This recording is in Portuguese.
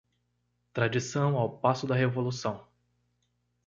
Tradição ao passo da revolução